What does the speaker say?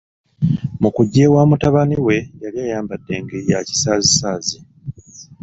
Mu kujja ewa mutabani we yali ayambadde mu ngeri ya kisaazisaazi.